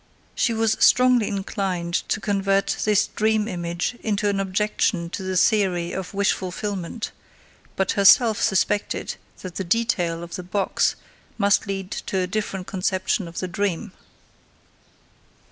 She was strongly inclined to convert this dream image into an objection to the theory of wish fulfillment, but herself suspected that the detail of the box must lead to a different conception of the dream.